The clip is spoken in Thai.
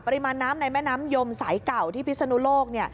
ปริมาณน้ำในแม่น้ำยมสายเก่าที่พิศนุโลก